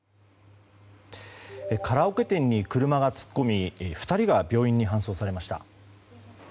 カラオケ店に車が突っ込み２人が病院に搬送されました。